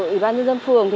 ủy ban nhân dân phường